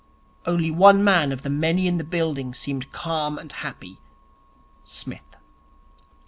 Only one man of the many in the building seemed calm and happy Psmith.